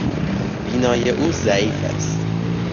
بینایی او ضعیف است.